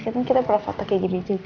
kayaknya kita pernah foto kaya gini juga